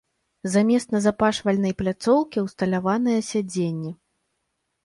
Замест назапашвальнай пляцоўкі ўсталяваныя сядзенні.